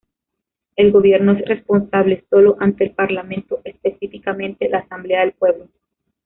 El gobierno es responsable sólo ante el Parlamento, específicamente la Asamblea del Pueblo.